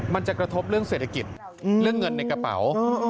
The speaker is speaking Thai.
มันจะกระทบเรื่องเศรษฐกิจเรื่องเงินในกระเป๋า